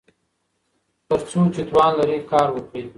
تر څو چې توان لرئ کار وکړئ.